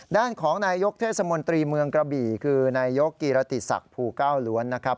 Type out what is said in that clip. ด้านของนายยกเทศมนตรีเมืองกระบี่คือนายกกีรติศักดิ์ภูเก้าล้วนนะครับ